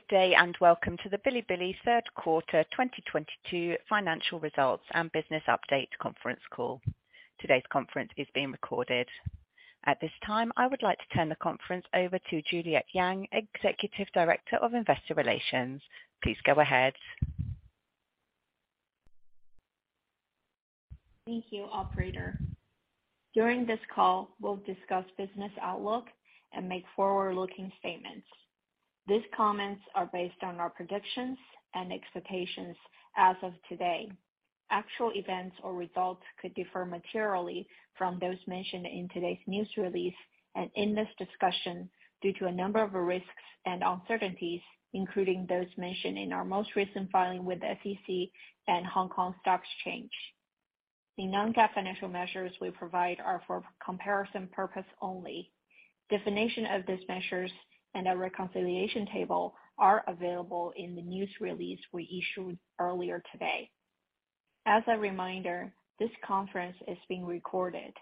Good day, welcome to the Bilibili Q3 2022 financial results and business update conference call. Today's conference is being recorded. At this time, I would like to turn the conference over to Juliet Yang, Executive Director of Investor Relations. Please go ahead. Thank you, operator. During this call, we'll discuss business outlook and make forward-looking statements. These comments are based on our predictions and expectations as of today. Actual events or results could differ materially from those mentioned in today's news release and in this discussion due to a number of risks and uncertainties, including those mentioned in our most recent filing with the SEC and Hong Kong Stock Exchange. The non-GAAP financial measures we provide are for comparison purpose only. Definition of these measures and a reconciliation table are available in the news release we issued earlier today. As a reminder, this conference is being recorded.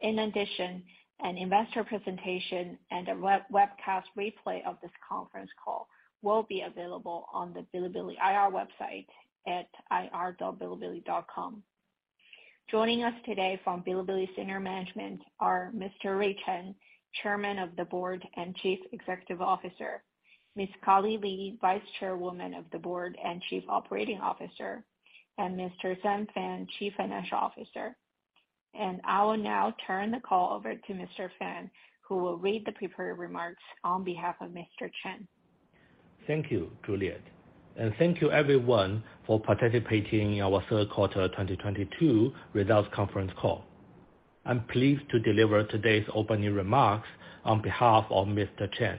In addition, an investor presentation and a webcast replay of this conference call will be available on the Bilibili IR website at ir.bilibili.com. Joining us today from Bilibili senior management are Mr. Rui Chen, Chairman of the Board and Chief Executive Officer, Ms. Carly Li, Vice Chairwoman of the Board and Chief Operating Officer, and Mr. Sam Fan, Chief Financial Officer. I will now turn the call over to Mr. Fan, who will read the prepared remarks on behalf of Mr. Chen. Thank you, Juliet, and thank you everyone for participating in our Q3 2022 results conference call. I'm pleased to deliver today's opening remarks on behalf of Mr. Chen.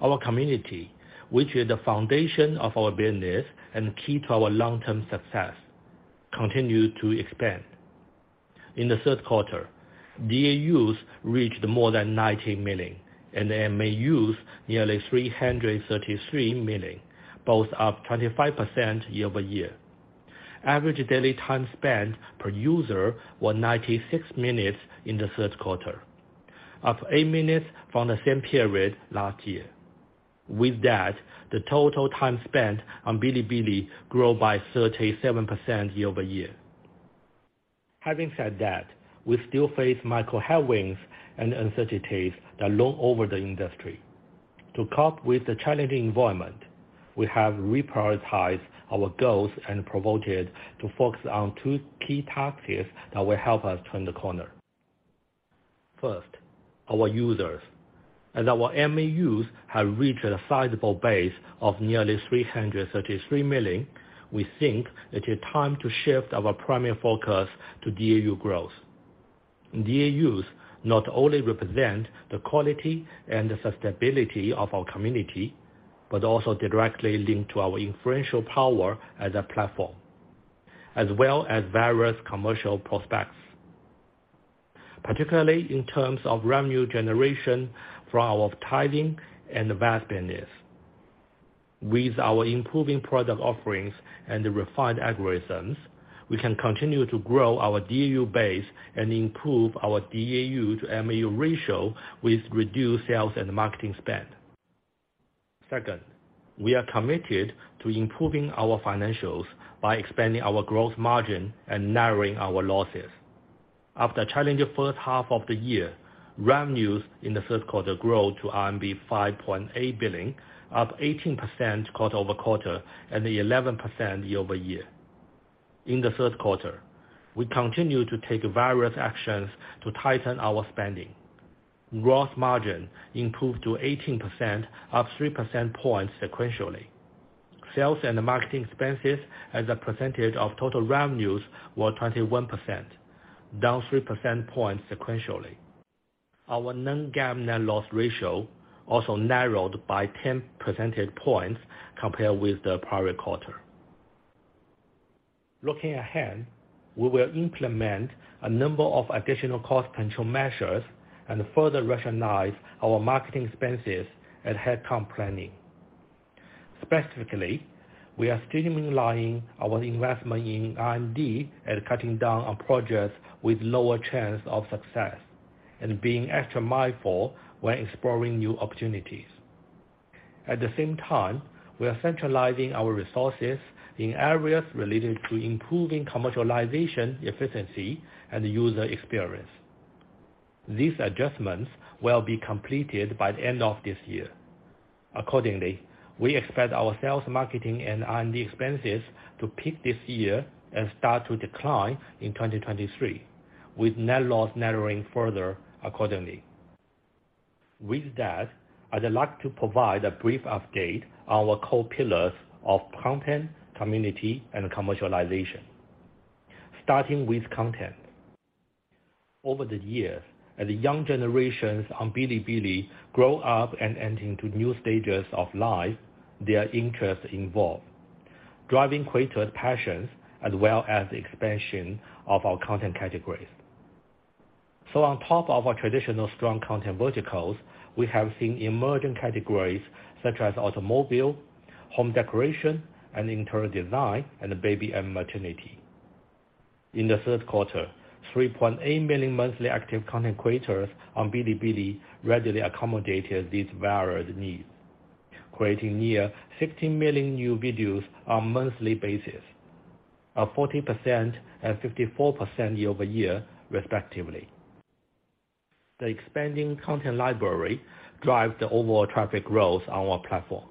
Our community, which is the foundation of our business and key to our long-term success, continue to expand. In the Q3, DAUs reached more than 90,000,000, and MAUs nearly 333,000,000, both up 25% year-over-year. Average daily time spent per user was 96 minutes in the Q3, up eight minutes from the same period last year. With that, the total time spent on Bilibili grew by 37% year-over-year. Having said that, we still face macro headwinds and uncertainties that loom over the industry. To cope with the challenging environment, we have reprioritized our goals and promoted to focus on two key tasks that will help us turn the corner. First, our users. As our MAUs have reached a sizable base of nearly 333,000,000, we think it is time to shift our primary focus to DAU growth. DAUs not only represent the quality and the sustainability of our community, but also directly linked to our influential power as a platform, as well as various commercial prospects. Particularly in terms of revenue generation for our tipping and VAS business. With our improving product offerings and refined algorithms, we can continue to grow our DAU base and improve our DAU/MAU ratio with reduced sales and marketing spend. Second, we are committed to improving our financials by expanding our growth margin and narrowing our losses. After a challenging first half of the year, revenues in the Q3 grew to RMB 5.8 billion, up 18% quarter-over-quarter and 11% year-over-year. In the Q3, we continued to take various actions to tighten our spending. Gross margin improved to 18%, up 3 percentage points sequentially. Sales and marketing expenses as a percentage of total revenues were 21%, down 3 percentage points sequentially. Our non-GAAP net loss ratio also narrowed by 10 percentage points compared with the prior quarter. Looking ahead, we will implement a number of additional cost control measures and further rationalize our marketing expenses and headcount planning. Specifically, we are streamlining our investment in R&D and cutting down on projects with lower chance of success and being extra mindful when exploring new opportunities. At the same time, we are centralizing our resources in areas related to improving commercialization efficiency and user experience. These adjustments will be completed by the end of this year. Accordingly, we expect our sales, marketing and R&D expenses to peak this year and start to decline in 2023, with net loss narrowing further accordingly. With that, I'd like to provide a brief update on our core pillars of content, community and commercialization. Starting with content. Over the years, as the young generations on Bilibili grow up and enter into new stages of life, their interests evolve, driving greater passions as well as expansion of our content categories. On top of our traditional strong content verticals, we have seen emerging categories such as automobile, home decoration and interior design, and baby and maternity. In the Q3, 3,800,000 monthly active content creators on Bilibili readily accommodated these varied needs, creating near 60,000,000 new videos on monthly basis. 40% and 54% year-over-year respectively. The expanding content library drive the overall traffic growth on our platform.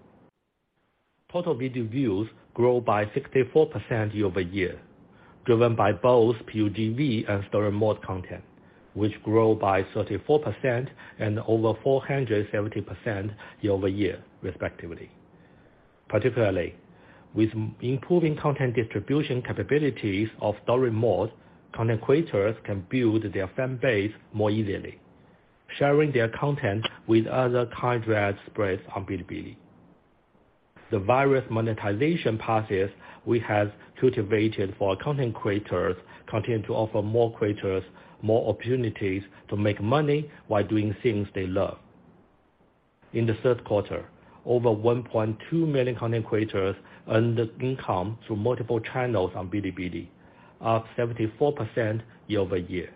Total video views grow by 64% year-over-year, driven by both PUGV and Story Mode content, which grow by 34% and over 470% year-over-year respectively. Particularly, with improving content distribution capabilities of Story Mode, content creators can build their fan base more easily, sharing their content with other kinds of ad spreads on Bilibili. The various monetization passes we have cultivated for our content creators continue to offer more creators more opportunities to make money while doing things they love. In the Q3, over 1,200,000 content creators earned income through multiple channels on Bilibili, up 74% year-over-year.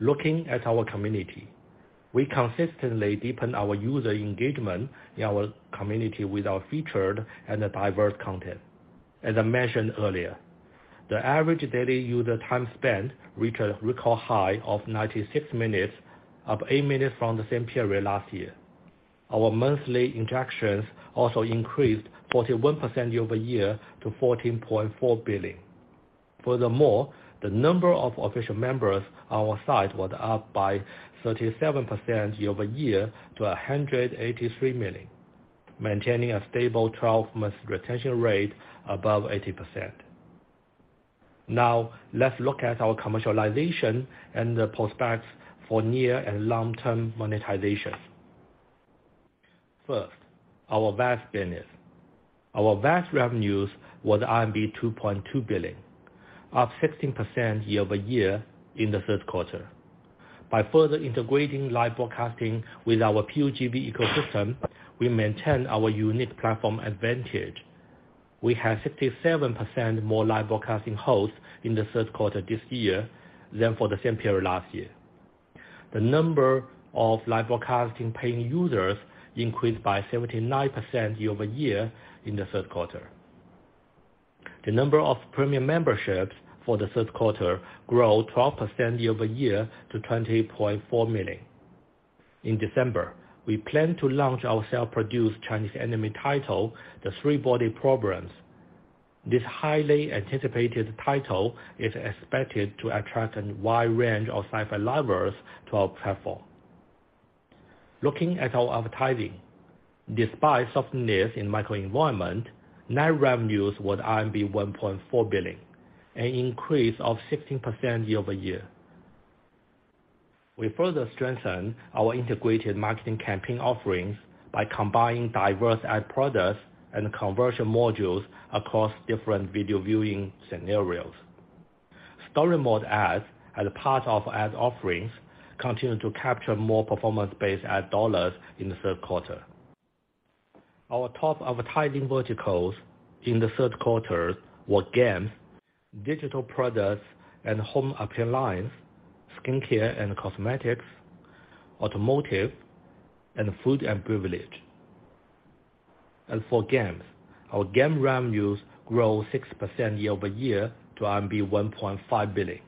Looking at our community, we consistently deepen our user engagement in our community with our featured and diverse content. As I mentioned earlier, the average daily user time spent reached a record high of 96 minutes, up eight minutes from the same period last year. Our monthly injections also increased 41% year-over-year to 14,400,000,000. Furthermore, the number of official members on our site was up by 37% year-over-year to 183,000,000, maintaining a stable 12-month retention rate above 80%. Now, let's look at our commercialization and the prospects for near and long-term monetization. First, our VAS business. Our VAS revenues was RMB 2.2 billion, up 16% year-over-year in the Q3. By further integrating live broadcasting with our PUGV ecosystem, we maintain our unique platform advantage. We have 57% more live broadcasting hosts in the Q3 this year than for the same period last year. The number of live broadcasting paying users increased by 79% year-over-year in the Q3. The number of premium memberships for the Q3 grew 12% year-over-year to 20,400,000. In December, we plan to launch our self-produced Chinese anime title, The Three-Body Problem. This highly anticipated title is expected to attract a wide range of sci-fi lovers to our platform. Looking at our advertising, despite softness in microenvironment, net revenues was RMB 1.4 billion, an increase of 16% year-over-year. We further strengthened our integrated marketing campaign offerings by combining diverse ad products and conversion modules across different video viewing scenarios. Story Mode ads, as part of ad offerings, continued to capture more performance-based ad dollars in the Q3. Our top advertising verticals in the Q3 were games, digital products and home appliance, skincare and cosmetics, automotive, and food and beverage. As for games, our game revenues grew 6% year-over-year to RMB 1.5 billion,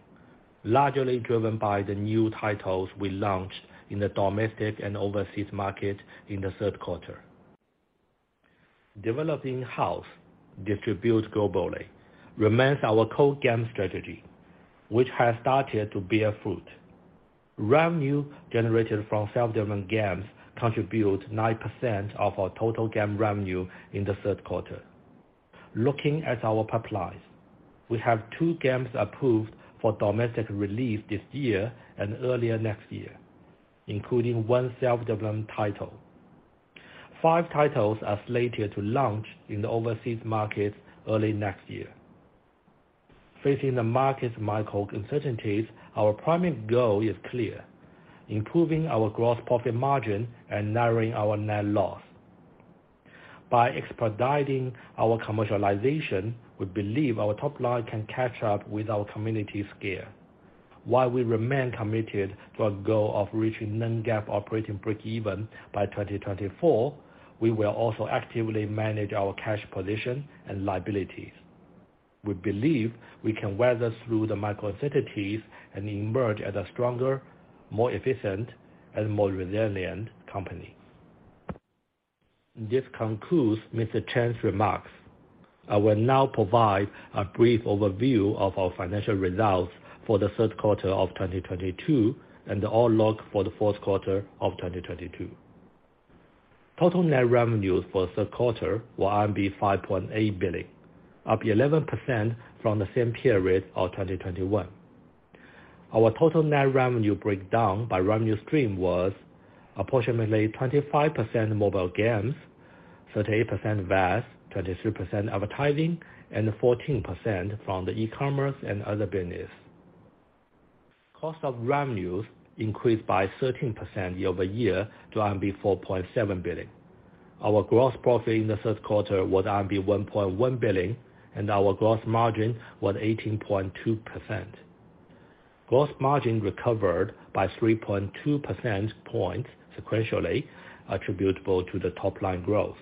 largely driven by the new titles we launched in the domestic and overseas market in the Q3. Develop in-house, distribute globally remains our core game strategy, which has started to bear fruit. Revenue generated from self-developed games contribute 9% of our total game revenue in the Q3. Looking at our pipelines, we have two games approved for domestic release this year and early next year, including one self-developed title. Five titles are slated to launch in the overseas market early next year. Facing the market's micro uncertainties, our primary goal is clear: improving our gross profit margin and narrowing our net loss. By expediting our commercialization, we believe our top line can catch up with our community scale. While we remain committed to our goal of reaching non-GAAP operating break even by 2024, we will also actively manage our cash position and liabilities. We believe we can weather through the micro uncertainties and emerge as a stronger, more efficient, and more resilient company. This concludes Mr. Chen's remarks. I will now provide a brief overview of our financial results for the Q3 of 2022 and the outlook for the Q4 of 2022. Total net revenues for the Q3 were 5.8 billion, up 11% from the same period of 2021. Our total net revenue breakdown by revenue stream was approximately 25% mobile games, 38% VAD, 23% advertising, and 14% from the e-commerce and other business. Cost of revenues increased by 13% year-over-year to RMB 4.7 billion. Our gross profit in the Q3 was RMB 1.1 billion, and our gross margin was 18.2%. Gross margin recovered by 3.2 percent points sequentially attributable to the top-line growth.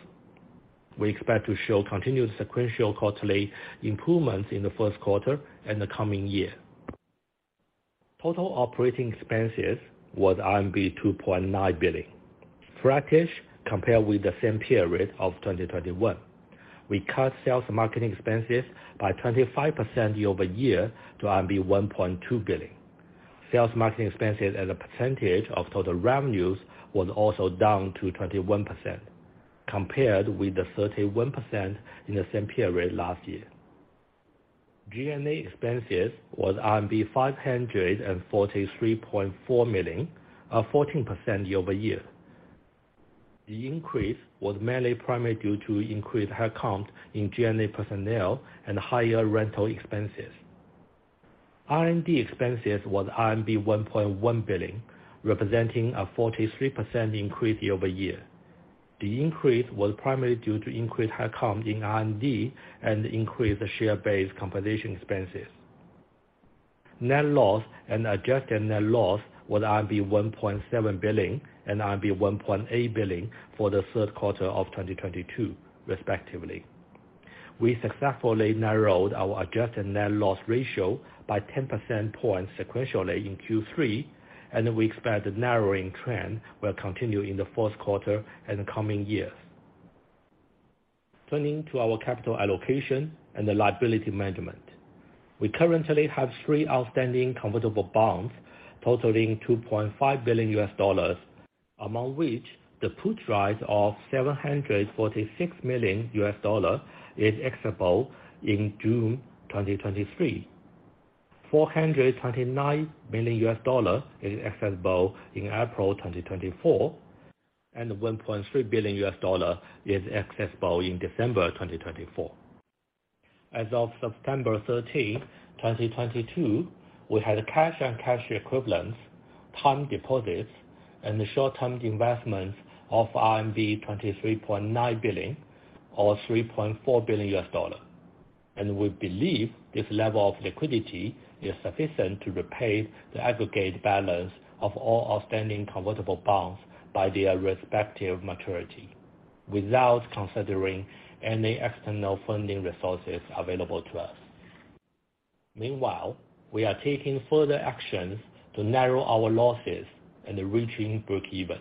We expect to show continued sequential quarterly improvements in the first quarter and the coming year. Total operating expenses was RMB 2.9 billion, flattish compared with the same period of 2021. We cut sales marketing expenses by 25% year-over-year to RMB 1.2 billion. Sales marketing expenses as a percentage of total revenues was also down to 21% compared with the 31% in the same period last year. G&A expenses was RMB 543.4 million, 14% year-over-year. The increase was mainly primary due to increased headcount in G&A personnel and higher rental expenses. R&D expenses was RMB 1.1 billion, representing a 43% increase year-over-year. The increase was primarily due to increased headcount in R&D and increased share-based compensation expenses. Net loss and adjusted net loss was RMB 1.7 billion and RMB 1.8 billion for the Q3 of 2022 respectively. We successfully narrowed our adjusted net loss ratio by 10 percent points sequentially in Q3. We expect the narrowing trend will continue in the Q4 and the coming years. Turning to our capital allocation and the liability management. We currently have three outstanding convertible bonds totaling $2.5 billion, among which the put right of $746 million is exercisable in June 2023. $429 million is exercisable in April 2024, $1.3 billion is exercisable in December 2024. As of September 13 2022, we had cash and cash equivalents, time deposits, and short-term investments of RMB 23.9 billion or $3.4 billion. We believe this level of liquidity is sufficient to repay the aggregate balance of all outstanding convertible bonds by their respective maturity without considering any external funding resources available to us. Meanwhile, we are taking further actions to narrow our losses and reaching breakeven.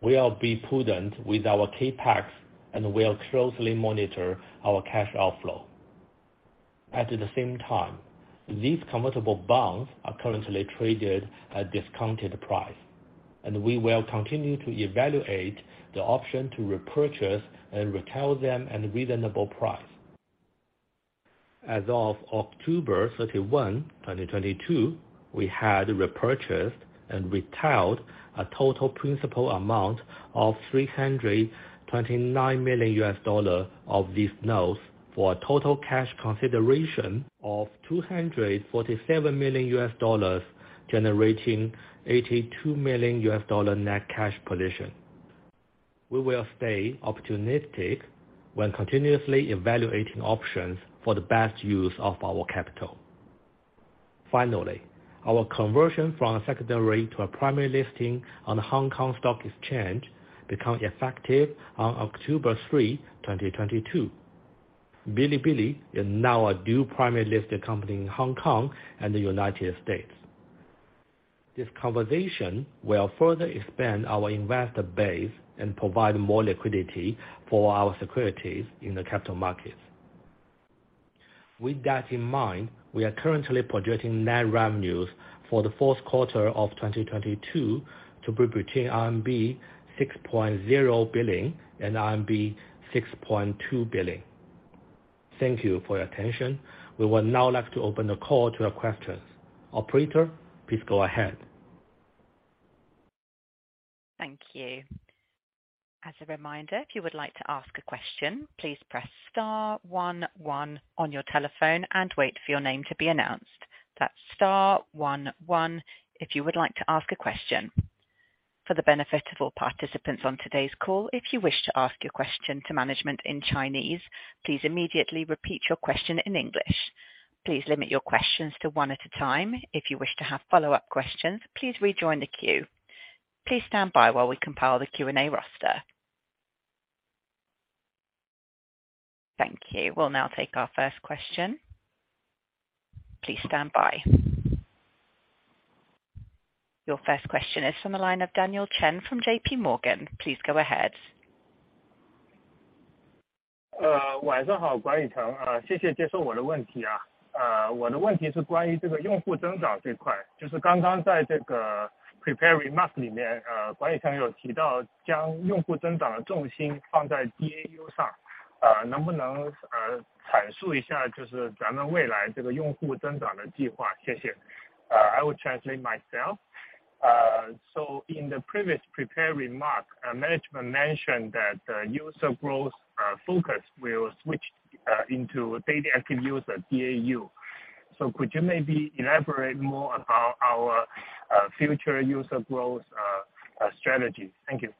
We are be prudent with our CapEx and we'll closely monitor our cash outflow. At the same time, these convertible bonds are currently traded at discounted price, and we will continue to evaluate the option to repurchase and retail them at reasonable price. As of October 31 2022, we had repurchased and retailed a total principal amount of $329 million U.S. dollar of these notes for a total cash consideration of $247 million U.S. dollars, generating $82 million U.S. dollar net cash position. We will stay opportunistic when continuously evaluating options for the best use of our capital. Our conversion from a secondary to a primary listing on the Hong Kong Stock Exchange became effective on October 3 2022. Bilibili is now a dual primary listed company in Hong Kong and the United States. This conversion will further expand our investor base and provide more liquidity for our securities in the capital markets. With that in mind, we are currently projecting net revenues for the Q4 of 2022 to be between RMB 6.0 billion and RMB 6.2 billion. Thank you for your attention. We would now like to open the call to your questions. Operator, please go ahead. Thank you. As a reminder, if you would like to ask a question, please press star one one on your telephone and wait for your name to be announced. That's star one one if you would like to ask a question. For the benefit of all participants on today's call, if you wish to ask your question to management in Chinese, please immediately repeat your question in English. Please limit your questions to one at a time. If you wish to have follow-up questions, please rejoin the queue. Please stand by while we compile the Q&A roster. Thank you. We'll now take our first question. Please stand by. Your first question is from the line of Daniel Chen from JPMorgan. Please go ahead. I will translate myself. In the previous prepared remark, management mentioned that user growth focus will switch into daily active user, DAU. Could you maybe elaborate more about our future user growth strategy? Thank you.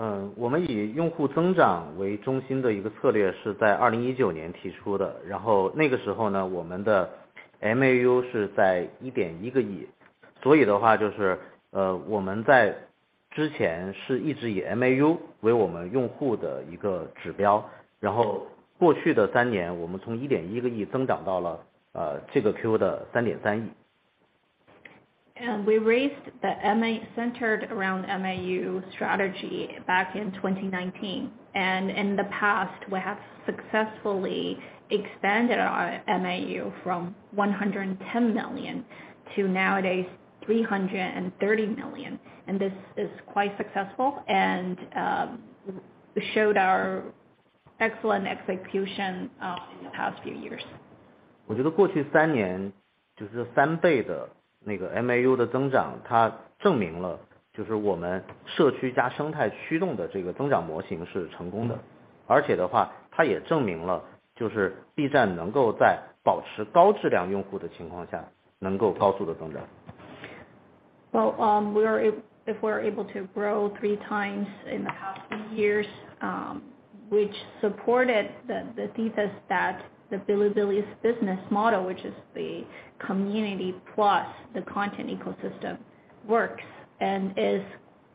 嗯， 我们以用户增长为中心的一个策略是在二零一九年提出 的， 然后那个时候 呢， 我们的 MAU 是在一点一个亿。所以的话就 是， 呃， 我们在之前是一直以 MAU 为我们用户的一个指 标， 然后过去的三年我们从一点一个亿增长到 了， 呃， 这个 Q 的三点三亿。We raised the MAU centered around MAU strategy back in 2019. In the past, we have successfully expanded our MAU from 110,000,000 to nowadays 330,000,000. This is quite successful, and showed our excellent execution in the past few years. 我觉得过去3年就是3倍的那个 MAU 的增 长， 它证明了就是我们社区加生态驱动的这个增长模型是成功的。它也证明了就是 B 站能够在保持高质量用户的情况下能够高速的增长。We're able to grow 3x in the past few years, which supported the thesis that Bilibili's business model, which is the community plus the content ecosystem, works and is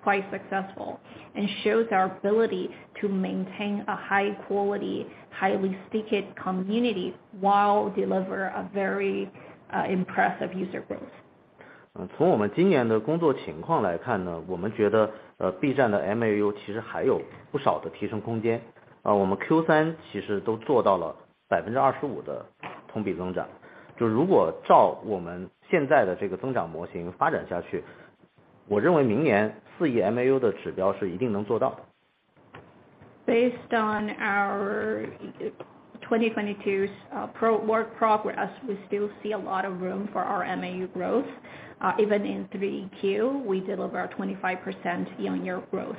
quite successful, and shows our ability to maintain a high quality, highly stickered community while deliver a very impressive user growth. 从我们今年的工作情况来看 呢， 我们觉 得， B 站的 MAU 其实还有不少的提升空 间， 而我们 Q3 其实都做到了 25% 的同比增长。如果照我们现在的这个增长模型发展下 去， 我认为明年400 million MAU 的指标是一定能做到的。Based on our 2022 work progress, we still see a lot of room for our MAU growth. Even in 3Q, we deliver a 25% year-on-year growth.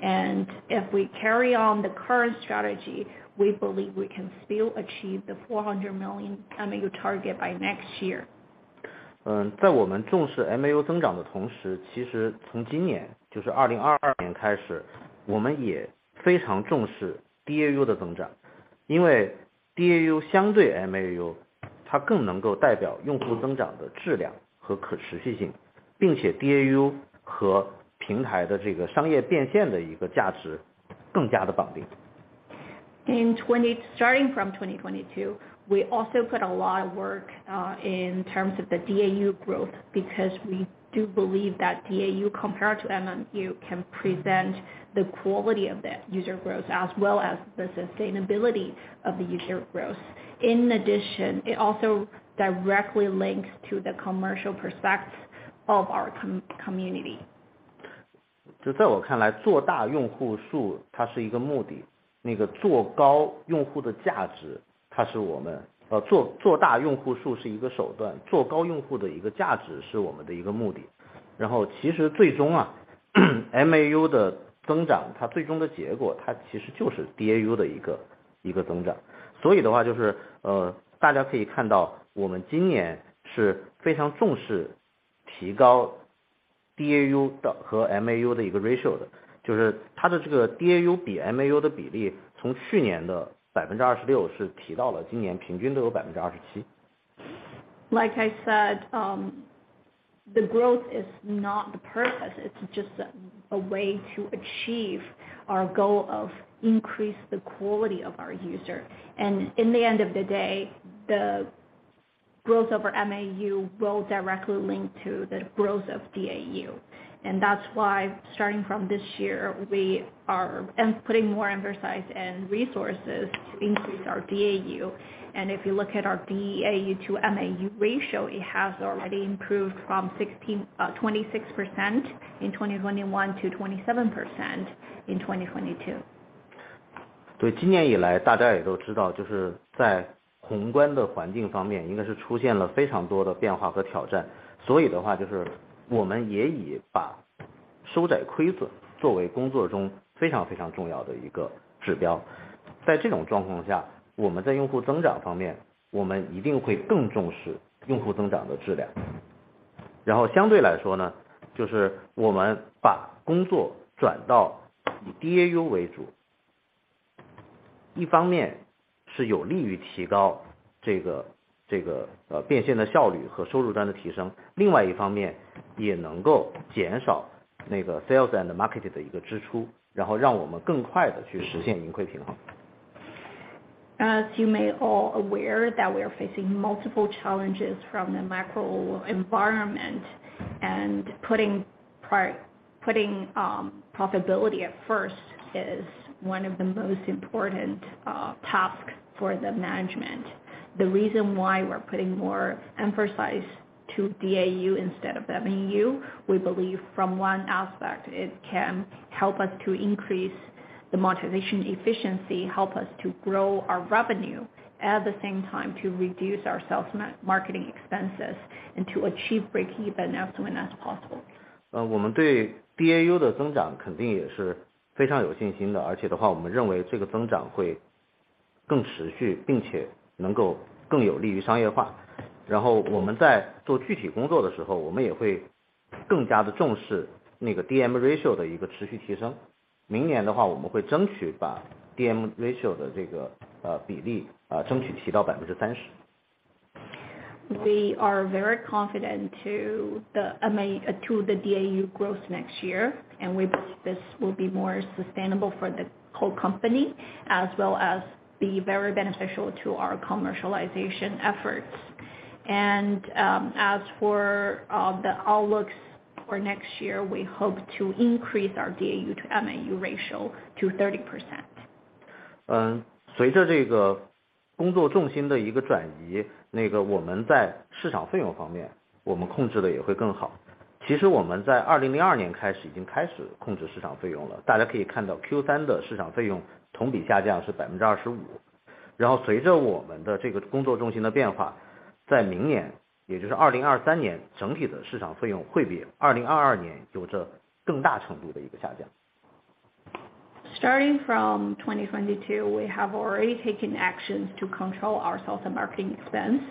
If we carry on the current strategy, we believe we can still achieve the 400,000,000 MAU target by next year. 嗯， 在我们重视 MAU 增长的同 时， 其实从今年就是二零二二年开 始， 我们也非常重视 DAU 的增长。因为 DAU 相对 MAU， 它更能够代表用户增长的质量和可持续 性， 并且 DAU 和平台的这个商业变现的一个价值更加的绑定。Starting from 2022, we also put a lot of work in terms of the DAU growth, because we do believe that DAU compared to MAU can present the quality of the user growth as well as the sustainability of the user growth. In addition, it also directly links to the commercial prospects of our community. 就在我看 来, 做大用户数它是一个目 的, 那个做高用户的价 值, 它是我 们... 做大用户数是一个手 段， 做高用户的一个价值是我们的一个目的。其实最终 MAU 的增 长， 它最终的结 果， 它其实就是 DAU 的一个增长。大家可以看到我们今年是非常重视提高 DAU 的和 MAU 的一个 ratio 的， 就是它的这个 DAU 比 MAU 的比 例， 从去年的 26% 是提到了今年平均都有 27%。Like I said, the growth is not the purpose. It's just a way to achieve our goal of increase the quality of our user. In the end of the day, the growth over MAU will directly link to the growth of DAU. That's why starting from this year, we are putting more emphasize and resources to increase our DAU. If you look at our DAU to MAU ratio, it has already improved from 26% in 2021 to 27% in 2022. 今年以来大家也都知 道， 就是在宏观的环境方面应该是出现了非常多的变化和挑战。我们也已把收窄亏损作为工作中非常非常重要的一个指标。在这种状况 下， 我们在用户增长方 面， 我们一定会更重视用户增长的质量。我们把工作转到以 DAU 为 主， 一方面是有利于提高这个变现的效率和收入端的提 升， 另外一方面也能够减少那个 sales and market 的一个支 出， 让我们更快地去实现盈亏平衡。As you may all aware that we are facing multiple challenges from the macro environment and putting profitability at first is one of the most important task for the management. The reason why we're putting more emphasis to DAU instead of MAU, we believe from one aspect, it can help us to increase the monetization efficiency, help us to grow our revenue. At the same time, to reduce our sales marketing expenses and to achieve break-even as soon as possible. 我们对 DAU 的增长肯定也是非常有信心 的， 而且的话我们认为这个增长会更持 续， 并且能够更有利于商业化。然后我们在做具体工作的时 候， 我们也会更加地重视那个 DM ratio 的一个持续提升。明年的 话， 我们会争取把 DM ratio 的这个 呃， 比例争取提到百分之三十。We are very confident to the DAU growth next year, and we believe this will be more sustainable for the whole company as well as be very beneficial to our commercialization efforts. As for the outlooks for next year, we hope to increase our DAU to MAU ratio to 30%. 随着这个工作重心的一个转 移, 我们在市场费用方面我们控制得也会更 好. 其实我们在2002开始已经开始控制市场费用 了, 大家可以看到 Q3 的市场费用同比下降是 25%. 随着我们的这个工作中心的变 化, 在明年也就是 2023, 整体的市场费用会比2022有着更大程度的一个下 降. Starting from 2022, we have already taken actions to control our sales and marketing expense.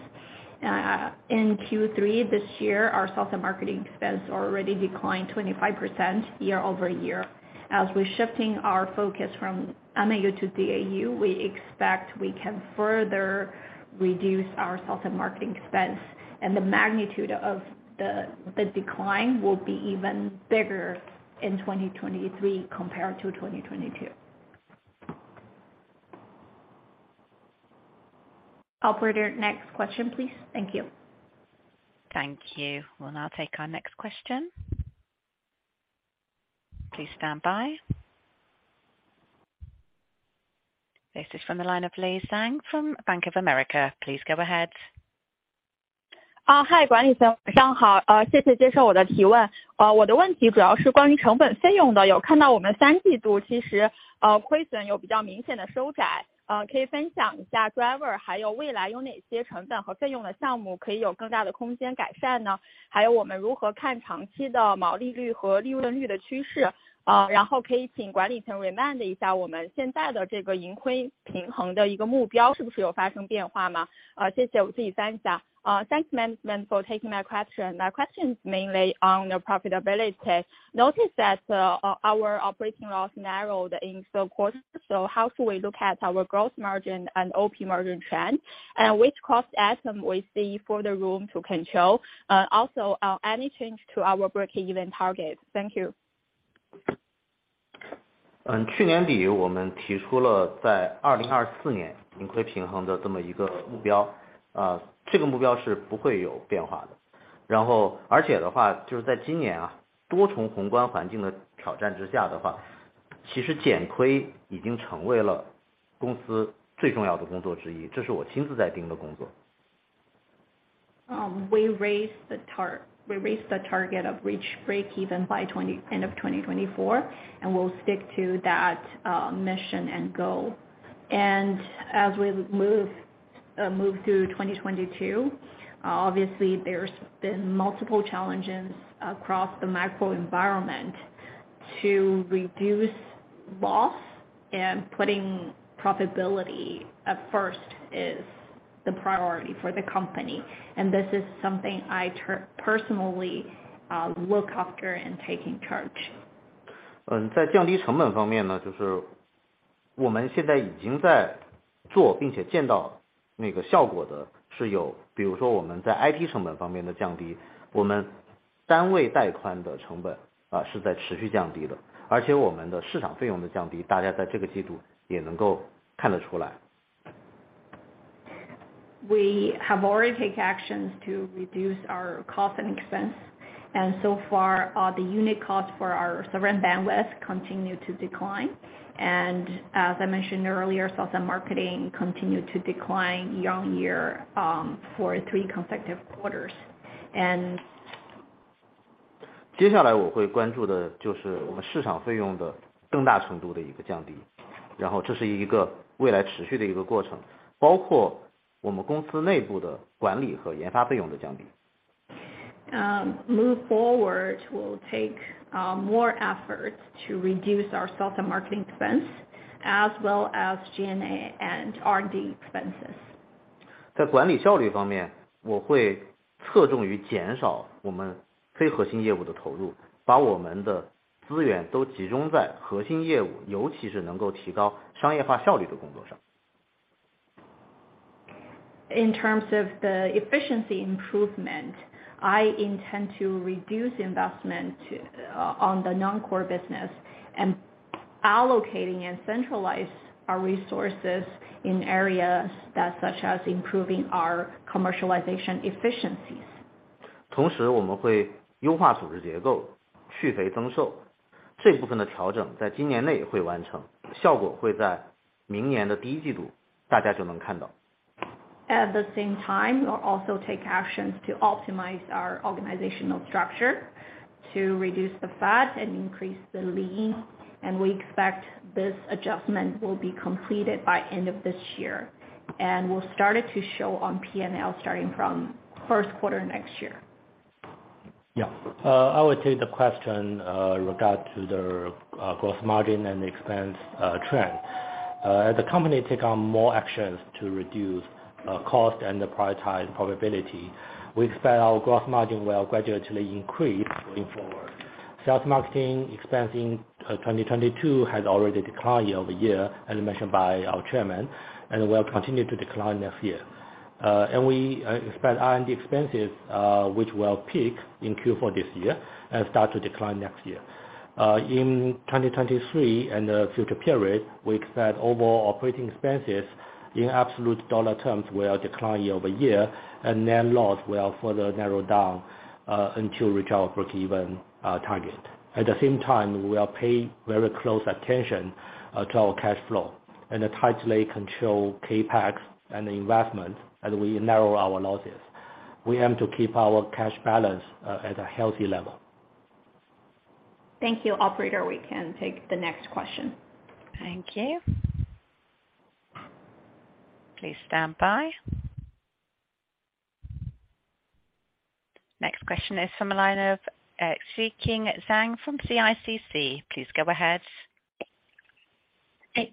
In Q3 this year, our sales and marketing expense already declined 25% year-over-year. As we're shifting our focus from MAU to DAU, we expect we can further reduce our sales and marketing expense, and the magnitude of the decline will be even bigger in 2023 compared to 2022. Operator, next question, please. Thank you. Thank you. We'll now take our next question. Please stand by. This is from the line of Lei Zhang from Bank of America. Please go ahead. Hi, 管理层 晚上好, 谢谢接受我的 提问. 我的问题主要是关于成本 费用的, 有看到我们三季度其实亏损有比较明显的 收窄, 可以分享一下 driver, 还有未来有哪些成本和费用的项目可以有更大的空间 改善? 还有我们如何看长期的毛利率和利润率的 趋势? 然后可以请管理层 remind 一下我们现在的这个盈亏平衡的一个目标是不是有发生 变化? 谢谢. 我自己翻译 一下. Thanks management for taking my question. My question is mainly on the profitability. Notice that, our operating loss narrowed in Q3. How should we look at our gross margin and OP margin trend? Which cost item we see further room to control? Also, any change to our break-even target? Thank you. 嗯， 去年底我们提出了在2024年盈亏平衡的这么一个目 标， 呃， 这个目标是不会有变化的。然后而且的 话， 就是在今年 啊， 多重宏观环境的挑战之下的 话， 其实减亏已经成为了公司最重要的工作之 一， 这是我亲自在盯的工作。We raised the target of reach break-even by end of 2024 and we'll stick to that, mission and goal. As we move through 2022, obviously there's been multiple challenges across the macro environment to reduce loss and putting profitability at first is the priority for the company. This is something I personally look after and taking charge. 嗯， 在降低成本方面 呢， 就是我们现在已经在做并且见到那个效果的是 有， 比如说我们在 IT 成本方面的降 低， 我们单位带宽的成本啊是在持续降低 的， 而且我们的市场费用的降 低， 大家在这个季度也能够看得出来。We have already take actions to reduce our cost and expense. So far, the unit cost for our server bandwidth continue to decline. As I mentioned earlier, sales and marketing continued to decline year-on-year for three consecutive quarters. 接下来我会关注的就是我们市场费用的更大程度的一个降 低, 然后这是一个未来持续的一个过 程, 包括我们公司内部的管理和研发费用的降 低. Move forward, we'll take more efforts to reduce our sales and marketing expense as well as G&A and R&D expenses. 在管理效率 方面， 我会侧重于减少我们非核心业务的 投入， 把我们的资源都集中在核心 业务， 尤其是能够提高商业化效率的工作上。In terms of the efficiency improvement, I intend to reduce investment on the non-core business and allocating and centralize our resources in areas that such as improving our commercialization efficiencies. 同时我们会优化组织结 构， 去肥增瘦。这部分的调整在今年内会完 成， 效果会在明年的第一季度大家就能看到。At the same time, we'll also take actions to optimize our organizational structure to reduce the fat and increase the lean. We expect this adjustment will be completed by end of this year, and will start it to show on P&L starting from Q1 next year. I will take the question regard to the gross margin and expense trend. As the company take on more actions to reduce cost and prioritize profitability, we expect our gross margin will gradually increase going forward. Sales marketing expense in 2022 has already declined year-over-year, as mentioned by our Chairman, and will continue to decline next year. We expect R&D expenses, which will peak in Q4 this year and start to decline next year. In 2023 and the future period, we expect overall operating expenses in absolute dollar terms will decline year-over-year, and net loss will further narrow down until reach our breakeven target. At the same time, we will pay very close attention to our cash flow and tightly control CapEx and investment as we narrow our losses. We aim to keep our cash balance at a healthy level. Thank you. Operator, we can take the next question. Thank you. Please stand by. Next question is from the line of, Xueqing Zhang from CICC. Please go ahead.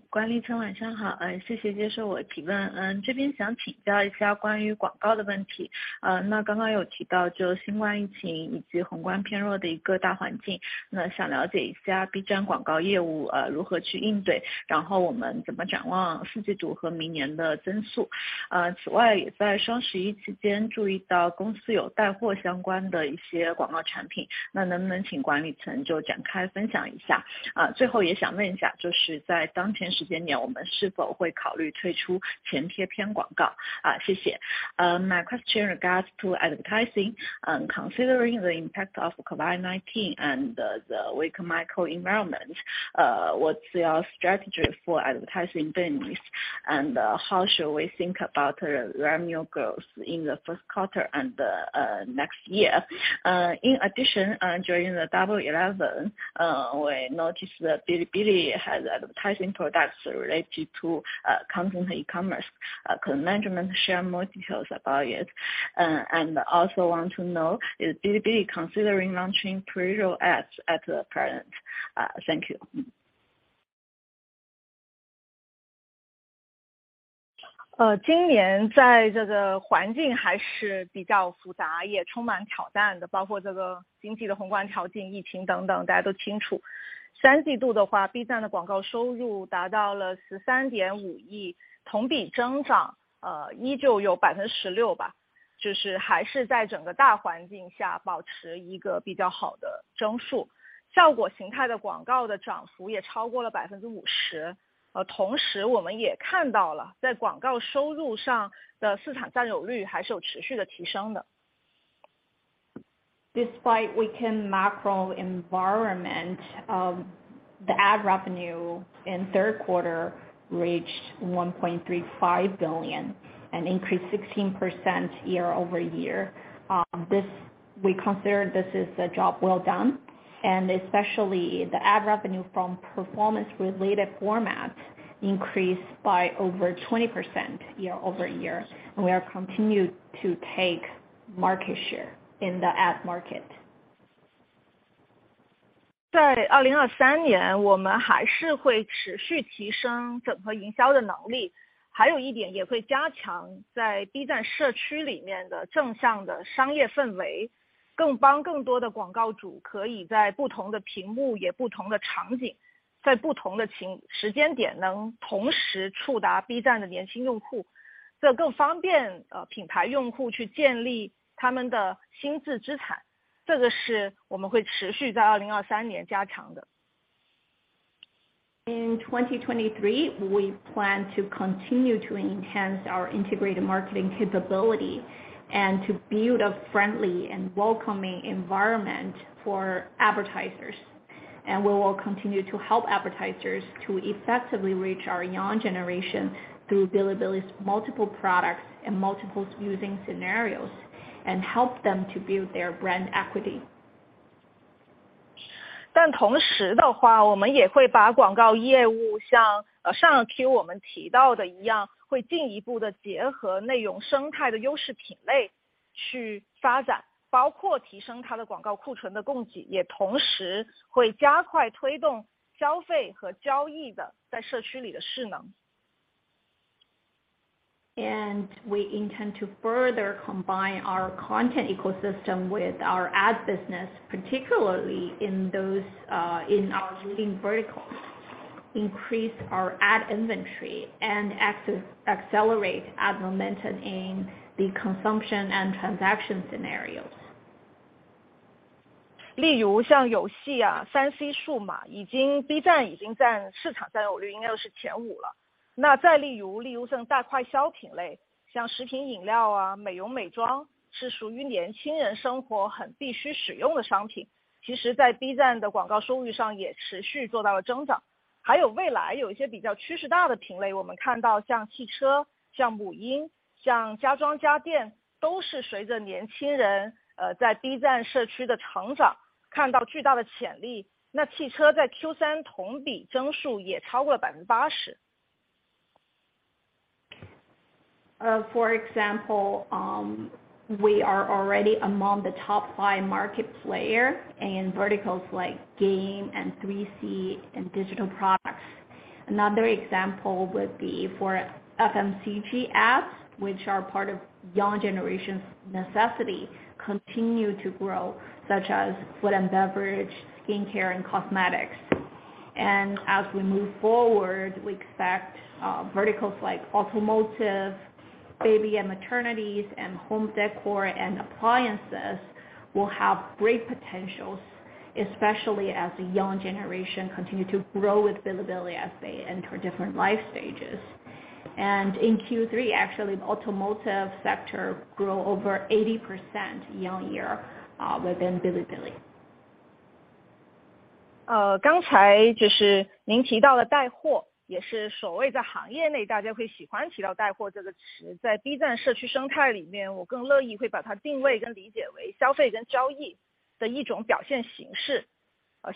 管理层晚上 好， 谢谢接受我提问。这边想请教一下关于广告的问 题， 刚刚有提到就 COVID-19 以及宏观偏弱的一个大环 境， 想了解一下 B 站广告业务如何去应 对， 然后我们怎么展望 Q4 和明年的增速。此 外， 也在 Double 11期间注意到公司有带货相关的一些广告产 品， 能不能请管理层就展开分享一下。最后也想问一 下， 就是在当前时间 点， 我们是否会考虑推出前贴片广告。谢谢。My question regards to advertising. Considering the impact of COVID-19 and the weak macro environment, what's your strategy for advertising business? How should we think about revenue growth in the first quarter and the next year? During the Double 11, we noticed that Bilibili has advertising products related to content e-commerce. Could management share more details about it? Is Bilibili considering launching pre-roll ads at present? Thank you. 今年在这个环境还是比较复 杂， 也充满挑战 的， 包括这个经济的宏观环境、疫情等 等， 大家都清楚。三季度的 话， B 站的广告收入达到了 CNY 13.5亿， 同比增长依旧有 16% 吧。就是还是在整个大环境下保持一个比较好的增速。效果形态的广告的涨幅也超过了 50%。同时我们也看到 了， 在广告收入上的市场占有率还是有持续的提升的。Despite weakened macro environment, the ad revenue in Q3 reached 1.35 billion and increased 16% year-over-year. We consider this is a job well done, and especially the ad revenue from performance-related formats increased by over 20% year-over-year, and we are continued to take market share in the ad market. 在2023 年， 我们还是会持续提升整合营销的能力。还有一点也会加强在 B 站社区里面的正向的商业氛 围， 更帮更多的广告主可以在不同的屏 幕， 也不同的场 景， 在不同的时间 点， 能同时触达 B 站的年轻用户。这更方便品牌用户去建立他们的心智资产，这个是我们会持续在2023年加强的。In 2023, we plan to continue to enhance our integrated marketing capability and to build a friendly and welcoming environment for advertisers. We will continue to help advertisers to effectively reach our young generation through Bilibili's multiple products and multiple using scenarios and help them to build their brand equity. 但同时的 话， 我们也会把广告业务像上 Q 我们提到的一 样， 会进一步地结合内容生态的优势品类去发 展， 包括提升它的广告库存的供 给， 也同时会加快推动消费和交易的在社区里的势能。We intend to further combine our content ecosystem with our ad business, particularly in those in our leading verticals, increase our ad inventory, and accelerate ad momentum in the consumption and transaction scenarios. 例如像游戏啊 ，3C 数码已经 B 站已经占市场占有率应该是前五了。那再例 如， 例如像快消品 类， 像食品、饮料 啊， 美容美 妆， 是属于年轻人生活很必须使用的商品。其实在 B 站的广告收入上也持续做到了增长。还有未来有一些比较趋势大的品 类， 我们看到像汽 车， 像母 婴， 像家装家 电， 都是随着年轻人 呃， 在 B 站社区的成长看到巨大的潜力。那汽车在 Q3 同比增速也超过了百分之八十。For example, we are already among the top five market player in verticals like game and 3C in digital products. Another example would be for FMCG apps, which are 部分 young generation necessity continue to grow, such as food and beverage, skin care and cosmetics. As we move forward, we expect verticals like automotive, baby and maternities and home decor and appliances will have great potentials, especially as the young generation continue to grow with Bilibili as they enter different life stages. In Q3, actually automotive sector grow over 80% year-on-year within Bilibili. 刚才就是您提到了带 货， 也是所谓在行业内大家会喜欢提到带货这个词。在 B 站社区生态里 面， 我更乐意会把它定位跟理解为消费跟交易的一种表现形式。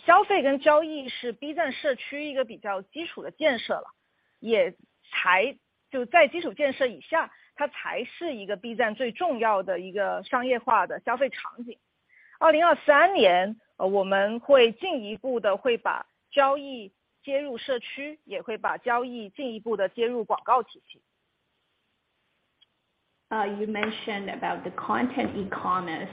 消费跟交易是 B 站社区一个比较基础的建设 了， 也才就在基础建设以 下， 它才是一个 B 站最重要的一个商业化的消费场景。2023 年， 我们会进一步地会把交易接入社 区， 也会把交易进一步地接入广告体系。You mentioned about the content e-commerce,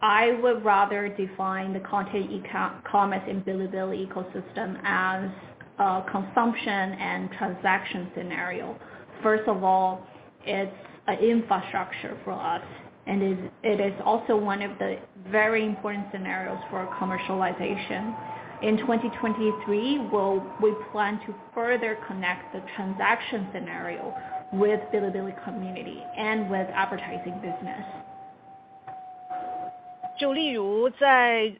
I would rather define the content e-commerce in Bilibili ecosystem as a consumption and transaction scenario. First of all, it's an infrastructure for us, and it is also one of the very important scenarios for commercialization. In 2023, we plan to further connect the transaction scenario with Bilibili community and with advertising business. 就例如 在，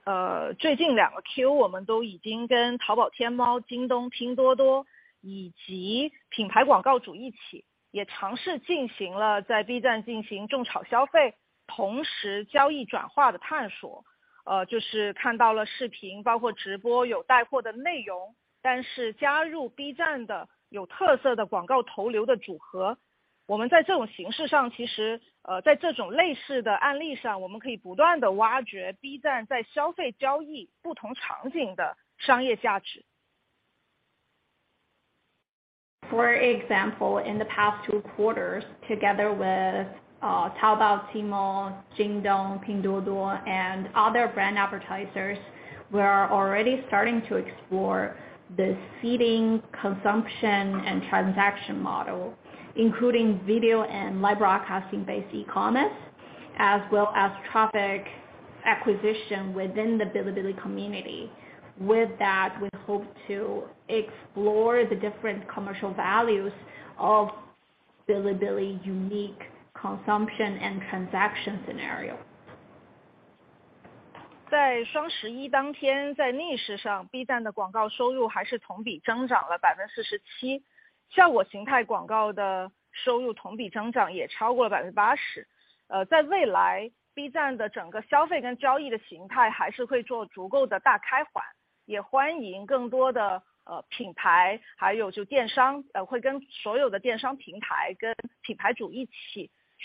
最近两个 Q， 我们都已经跟 Taobao、Tmall、Jingdong、Pinduoduo 以及品牌广告主一 起， 也尝试进行了在 B 站进行种草消 费， 同时交易转化的探索。就是看到了视 频， 包括直播有带货的内 容， 但是加入 B 站的有特色的广告投流的组合。我们在这种形式 上， 其实在这种类似的案例 上， 我们可以不断地挖掘 B 站在消费交易不同场景的商业价值。For example, in the past two quarters, together with Taobao, Tmall, Jingdong, Pinduoduo and other brand advertisers, we are already starting to explore the seeding, consumption and transaction model, including video and live broadcasting based e-commerce, as well as traffic acquisition within the Bilibili community. With that, we hope to explore the different commercial values of Bilibili unique consumption and transaction scenario.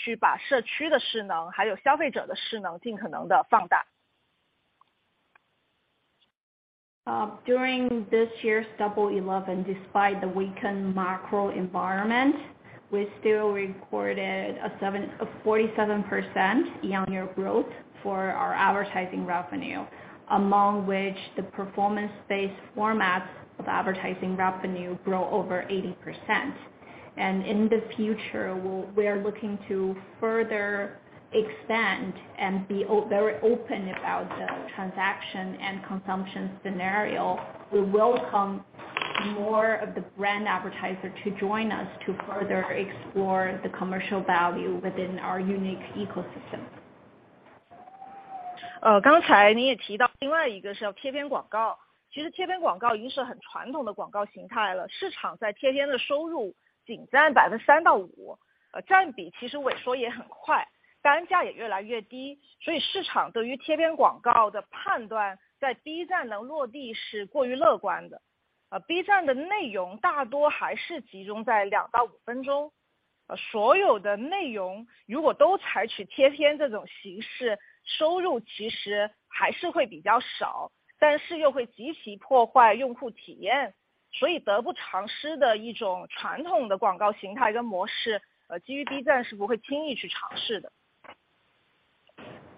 在双十一当 天， 在逆势 上， B 站的广告收入还是同比增长了百分之四十 七， 效果形态广告的收入同比增长也超过了百分之八十。呃， 在未 来， B 站的整个消费跟交易的形态还是会做足够的大开 怀， 也欢迎更多的 呃， 品 牌， 还有就电 商， 呃会跟所有的电商平台跟品牌主一起去把社区的势 能， 还有消费者的势能尽可能地放大。During this year's Double 11, despite the weakened macro environment, we still recorded a 47% year-on-year growth for our advertising revenue, among which the performance-based formats of advertising revenue grow over 80%. In the future, we're looking to further expand and be very open about the transaction and consumption scenario. We welcome more of the brand advertiser to join us to further explore the commercial value within our unique ecosystem. 刚才你也提到另外一个是叫贴片广 告， 其实贴片广告已经是很传统的广告形态 了， 市场在贴片的收入仅占 3%-5%， 占比其实萎缩也很 快， 单价也越来越低。市场对于贴片广告的判 断， 在 Bilibili 能落地是过于乐观的。Bilibili 的内容大多还是集中在 2-5 minutes。所有的内容如果都采取贴片这种形 式， 收入其实还是会比较 少， 但是又会极其破坏用户体验。得不偿失的一种传统的广告形态跟模 式， 基于 Bilibili 是不会轻易去尝试的。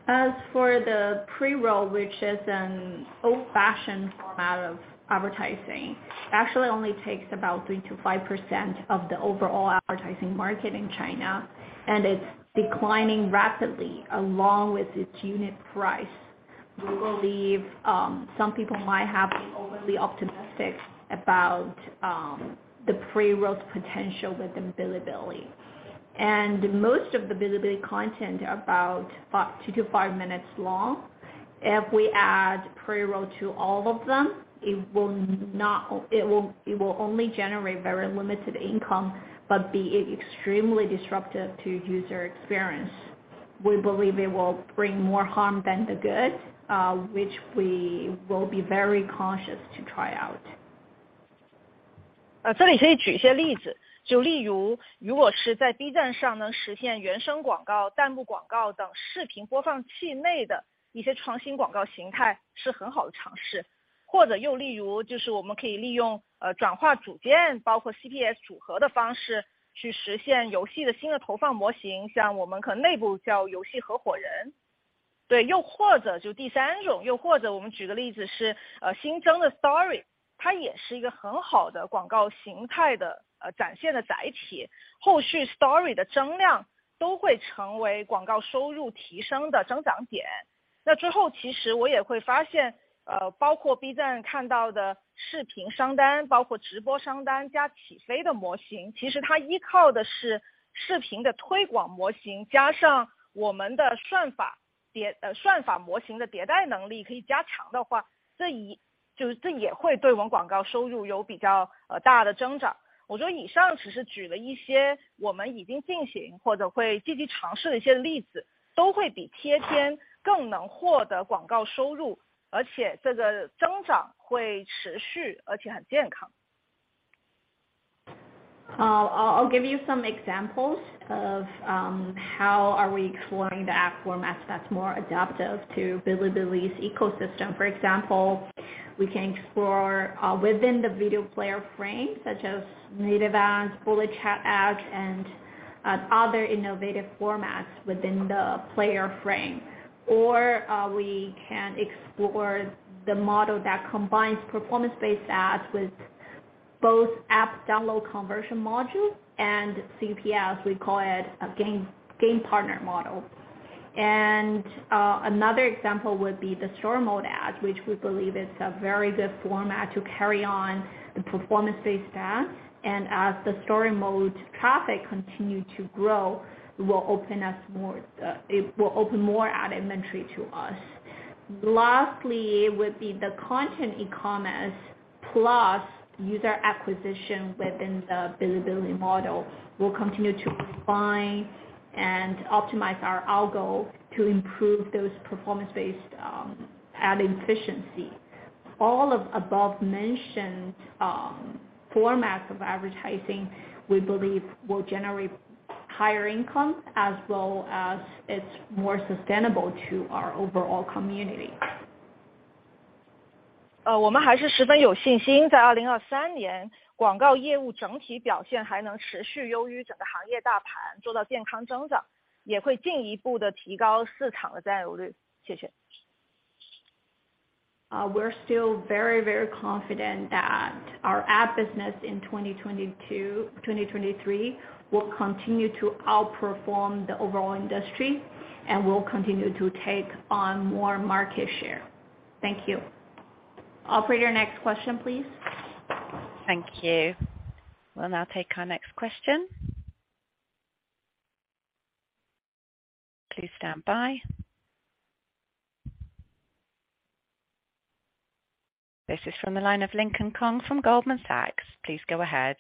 As for the pre-roll, which is an old-fashioned format of advertising, actually only takes about 3%-5% of the overall advertising market in China. It's declining rapidly along with its unit price. We believe some people might have been overly optimistic about the pre-roll potential within Bilibili. Most of the Bilibili content are about two to five minutes long. If we add pre-roll to all of them, it will only generate very limited income, but be extremely disruptive to user experience. We believe it will bring more harm than the good, which we will be very cautious to try out. 这里可以举一些例 子， 就例如如果是在 B 站上能实现原生广告、弹幕广告等视频播放器内的一些创新广告形态是很好的尝试。或者又例如就是我们可以利用转化组 件， 包括 CPS 组合的方式去实现游戏的新的投放模 型， 像我们可能内部叫游戏合伙人。对， 又或者就 第三种， 又或者我们举个例子是新增的 Story Mode， 它也是一个很好的广告形态的展现的载体。后续 Story Mode 的增量都会成为广告收入提升的增长点。之后其实我也会发 现， 包括 B 站看到的视频商 单， 包括直播商单加起飞的模 型， 其实它依靠的是视频的推广模 型， 加上我们的算法模型的迭代能力可以加强的 话， 这也会对我们广告收入有比较大的增长。我以上只是举了一些我们已经进行或者会积极尝试的一些例 子， 都会比贴片更能获得广告收 入， 而且这个增长会持 续， 而且很健康。I'll give you some examples of how are we exploring the ad format that's more adaptive to Bilibili's ecosystem. For example, we can explore within the video player frame, such as native ads, full-screen ads, and other innovative formats within the player frame. We can explore the model that combines performance-based ads with both app download conversion module and CPS, we call it a game partner model. Another example would be the Story Mode ads, which we believe is a very good format to carry on the performance-based ads. As the Story Mode traffic continue to grow, it will open us more, it will open more ad inventory to us. Lastly, would be the content e-commerce plus user acquisition within the Bilibili model. We'll continue to refine and optimize our algo to improve those performance-based ad efficiency. All of above mentioned formats of advertising, we believe will generate higher income as well as it's more sustainable to our overall community. 呃我们还是十分有信 心， 在2023年广告业务整体表现还能持续优于整个行业大 盘， 做到健康增 长， 也会进一步地提高市场的占有率。谢谢。We're still very confident that our ad business in 2023 will continue to outperform the overall industry and will continue to take on more market share. Thank you. Operator, next question, please. Thank you. We'll now take our next question. Please stand by. This is from the line of Lincoln Kong from Goldman Sachs. Please go ahead.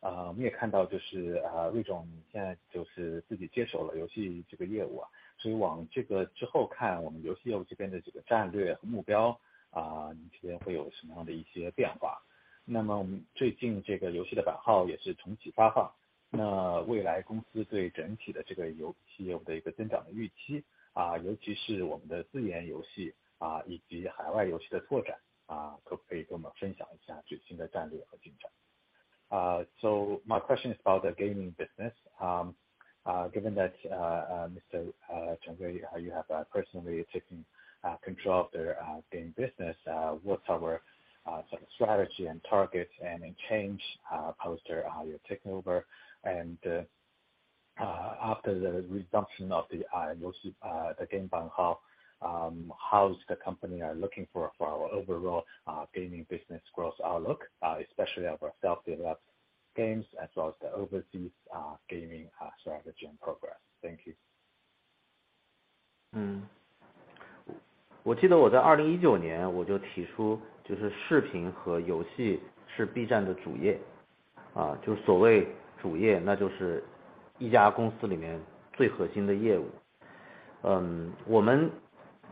好，谢谢管理层。我想问一下这个游戏业务这边，我们也看到就是陈总你现在就是自己接手了游戏这个业务，往这个之后看，我们游戏业务这边的这个战略和目标，你这边会有什么样的变化？我们最近这个游戏的版号也是重启发放，未来公司对整体的这个游戏业务的一个增长的预期，尤其是我们的自研游戏，以及海外游戏的拓展，可不可以跟我们分享一下最新的战略和进展？My question is about the gaming business. Given that Mr. Cheng Wei, you have personally taking control of the game business, what's our sort of strategy and targets and any change post your takeover? After the resumption of the, you'll see, the game 版号, how is the company are looking for our overall gaming business growth outlook, especially of our self developed games as well as the overseas gaming strategy and progress. Thank you. 我记得我在2019我就提 出， 就是视频和游戏是 B 站的主 业， 就所谓主 业， 那就是一家公司里面最核心的业务。我们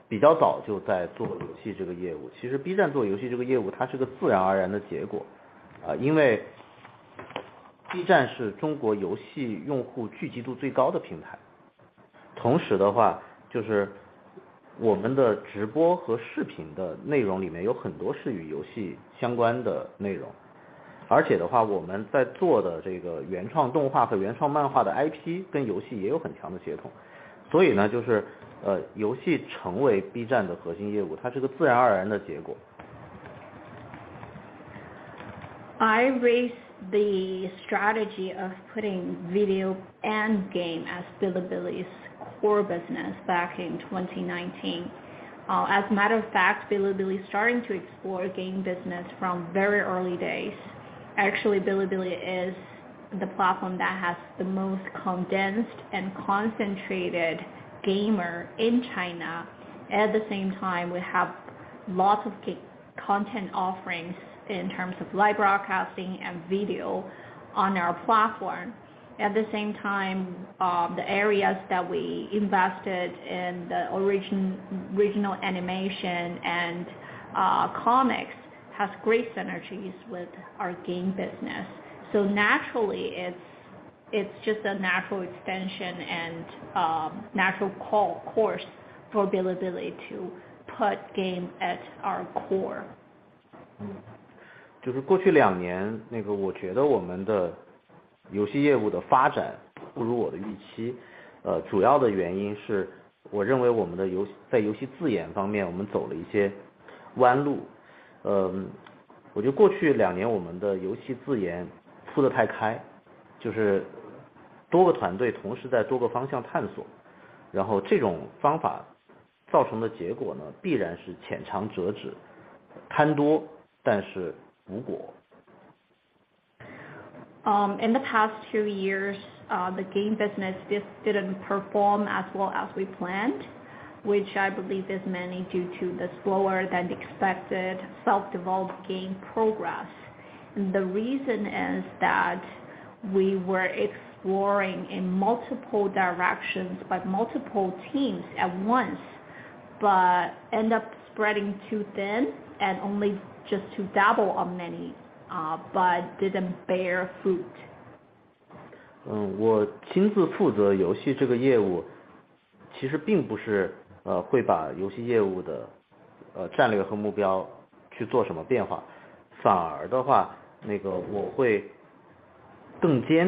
比较早就在做游戏这个业 务， 其实 B 站做游戏这个业务它是个自然而然的结 果， 因为 B 站是中国游戏用户聚集度最高的平 台， 同时的话就是我们的直播和视频的内容里面有很多是与游戏相关的内容。而且的话我们在做的这个原创动画和原创漫画的 IP 跟游戏也有很强的协同。游戏成为 B 站的核心业 务， 它是个自然而然的结 果. I raised the strategy of putting video and game as Bilibili's core business back in 2019. As a matter of fact, Bilibili is starting to explore game business from very early days. Actually, Bilibili is the platform that has the most condensed and concentrated gamer in China. At the same time, we have lots of content offerings in terms of live broadcasting and video on our platform. At the same time, the areas that we invested in, the original animation and comics, has great synergies with our game business. Naturally, it's just a natural extension and natural course for Bilibili to put game at our core. In the past two years, the game business just didn't perform as well as we planned, which I believe is mainly due to the slower than expected self-developed game progress. The reason is that we were exploring in multiple directions by multiple teams at once, but end up spreading too thin and only just to dabble on many, but didn't bear fruit. As I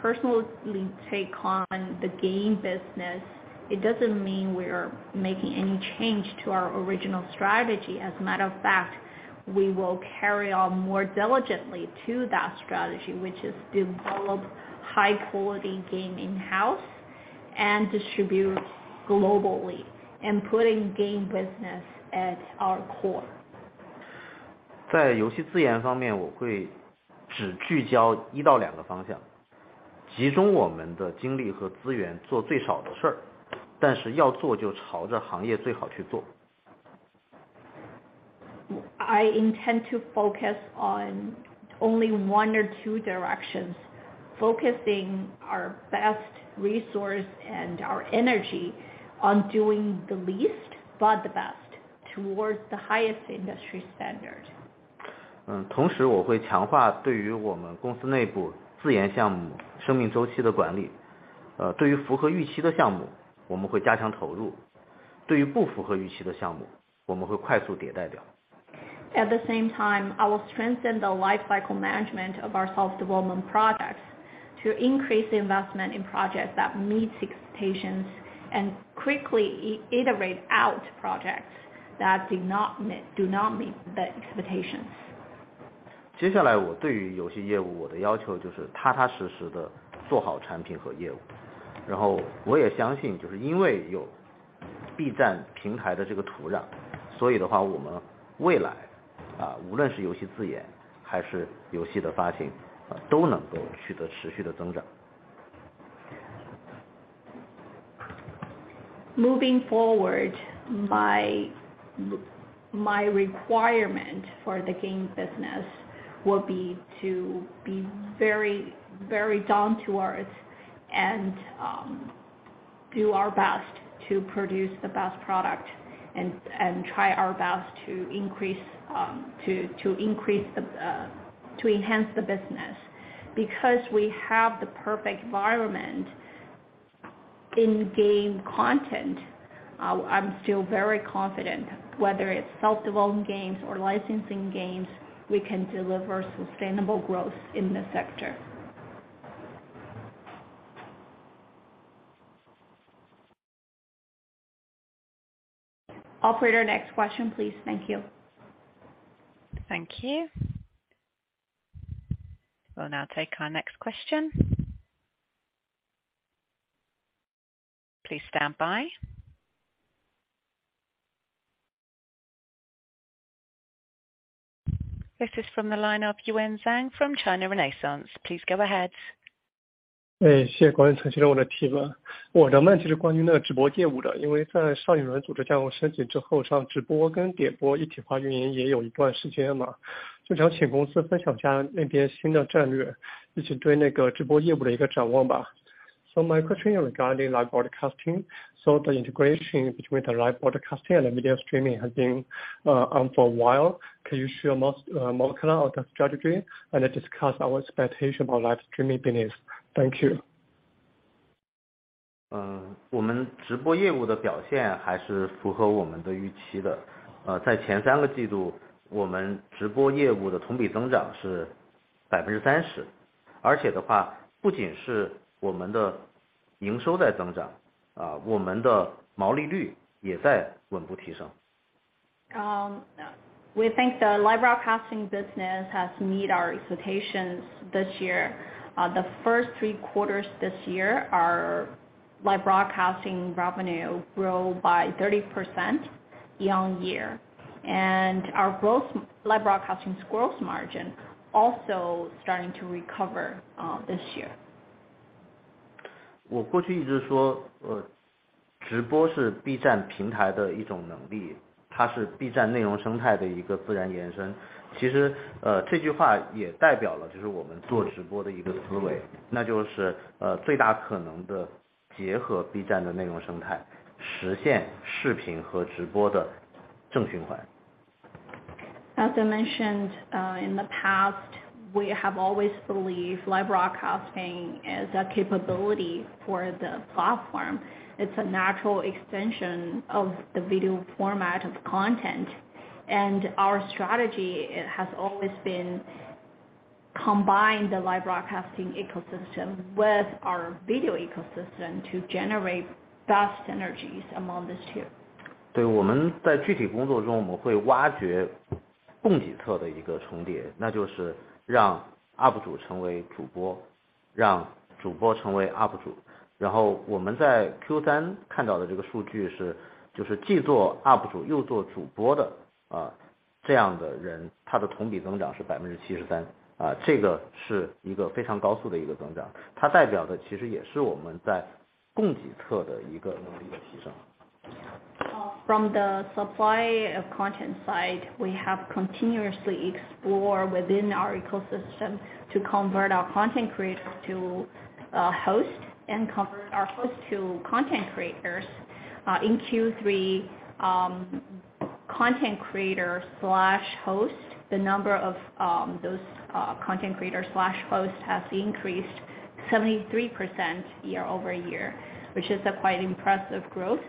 personally take on the game business, it doesn't mean we are making any change to our original strategy. As a matter of fact, we will carry on more diligently to that strategy, which is develop high quality game in-house and distribute globally and putting game business at our core. I intend to focus on only one or two directions, focusing our best resource and our energy on doing the least but the best towards the highest industry standard. At the same time, I will strengthen the lifecycle management of our self-development products to increase investment in projects that meet expectations and quickly iterate out projects that do not meet the expectations. Moving forward, my requirement for the game business will be to be very, very down to earth and do our best to produce the best product and try our best to increase the to enhance the business. Because we have the perfect environment in game content, I'm still very confident whether it's self-developed games or licensing games, we can deliver sustainable growth in this sector. Operator, next question, please. Thank you. Thank you. We'll now take our next question. Please stand by. This is from the line of Yuan Zhang from China Renaissance. Please go ahead. My question regarding live broadcasting. The integration between the live broadcasting and the video streaming has been on for a while. Can you share more color on the strategy and discuss our expectation about live streaming business? Thank you. 嗯， 我们直播业务的表现还是符合我们的预期的。呃， 在前三个季 度， 我们直播业务的同比增长是百分之三十。而且的 话， 不仅是我们的营收在增 长， 啊， 我们的毛利率也在稳步提升。We think the live broadcasting business has meet our expectations this year. The first three quarters this year, our live broadcasting revenue grow by 30% year-on-year. Our live broadcasting gross margin also starting to recover, this year. 我过去一直 说， 直播是 B 站平台的一种能 力， 它是 B 站内容生态的一个自然延伸。其 实， 这句话也代表了就是我们做直播的一个思 维， 那就 是， 最大可能地结合 B 站的内容生 态， 实现视频和直播的正循环。As I mentioned, in the past, we have always believed live broadcasting is a capability for the platform. It's a natural extension of the video format of content, our strategy has always been combine the live broadcasting ecosystem with our video ecosystem to generate best synergies among these two. 对, 我们在具体工作 中, 我们会挖掘供给侧的一个重 叠, 那就是让 up主 成为主 播, 让主播成为 up主. 然后我们在 Q3 看到的这个数据 是, 就是既做 up主 又做主播 的, 这样的 人, 他的同比增长是 73%, 这个是一个非常高速的一个增 长, 它代表的其实也是我们在供给侧的一个能力的提 升. From the supply of content side, we have continuously explore within our ecosystem to convert our content creators to host and convert our host to content creators. In Q3, content creator slash host, the number of those content creator slash host has increased 73% year-over-year, which is a quite impressive growth.